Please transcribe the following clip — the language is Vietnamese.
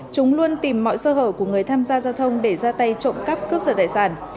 chúng luôn tìm mọi sơ hở của người tham gia giao thông để ra tay trộm cắp cướp giật tài sản